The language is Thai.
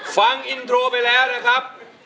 ฟังอินโทรไปแล้วนะครับ